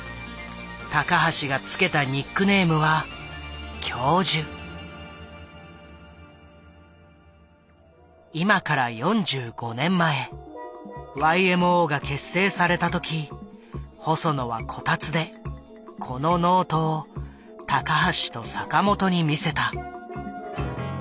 高橋が付けたニックネームは今から４５年前ＹＭＯが結成された時細野はこたつでこのノートを高橋と坂本に見せた。